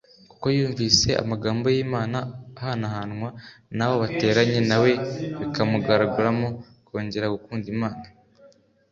kuko yumvise amagambo y’Imana ahanahanwa n’abo bateranye nawe bikamugaruramo kongera gukunda Imana